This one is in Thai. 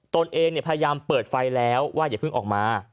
ตนเองพยายามเปิดไฟแล้วว่าอย่าเพิ่งออกมา